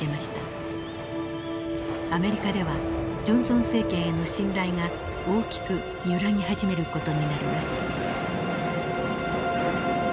アメリカではジョンソン政権への信頼が大きく揺らぎ始める事になります。